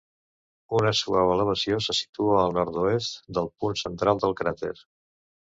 Una suau elevació se situa al nord-oest del punt central del cràter.